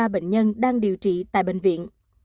năm bảy trăm ba mươi ba bệnh nhân đang điều trị tại bệnh viện